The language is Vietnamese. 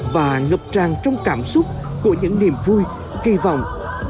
và ngập tràn trong cảm xúc của những niềm vui kỳ vọng